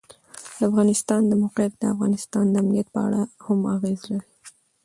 د افغانستان د موقعیت د افغانستان د امنیت په اړه هم اغېز لري.